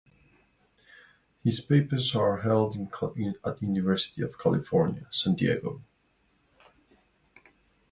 His papers are held at University of California, San Diego.